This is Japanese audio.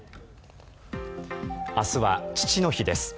明日は父の日です。